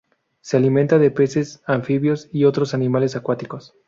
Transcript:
Se alimenta de peces, anfibios y otros animales acuáticos.